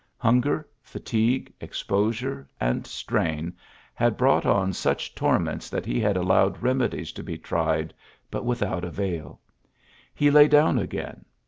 Hunger, fatigue, exposure, and strain had brought on such torments that he had allowed remedies to be tried, but without avail. He lay down again.